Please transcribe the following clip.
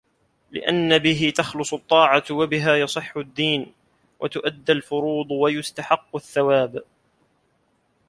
لِأَنَّ بِهِ تَخْلُصُ الطَّاعَةُ وَبِهَا يَصِحُّ الدِّينُ وَتُؤَدَّى الْفُرُوضُ وَيُسْتَحَقُّ الثَّوَابُ